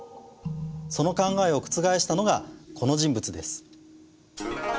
その考えを覆したのがこの人物です。